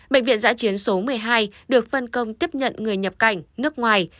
bệnh viện giã chiến số một mươi hai được phân công tiếp nhận người nhập cảnh nước ngoài